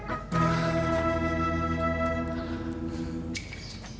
kisah kisah dari pak ustadz